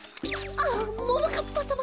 ああももかっぱさま！